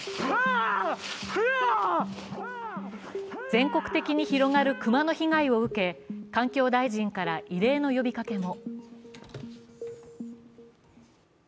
全国的に広がる熊の被害を受け環境大臣から異例の呼びかけも。